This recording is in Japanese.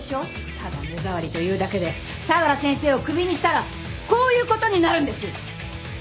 ただ目障りというだけで相良先生をクビにしたらこういう事になるんです！